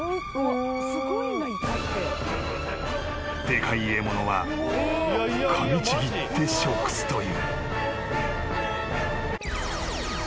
［でかい獲物はかみちぎって食すという］